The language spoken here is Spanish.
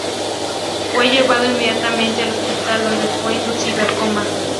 Fue llevado inmediatamente al hospital, donde fue inducido al coma.